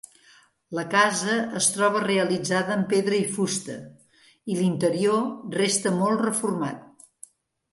La casa es troba realitzada amb pedra i fusta i l'interior resta molt reformat.